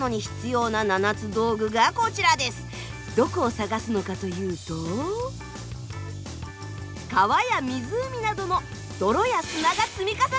どこを探すのかというと川や湖などの泥や砂が積み重なった地層。